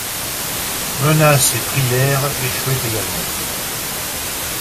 Menaces et prières échouaient également.